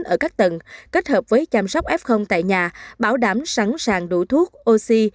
ở các tầng kết hợp với chăm sóc f tại nhà bảo đảm sẵn sàng đủ thuốc oxy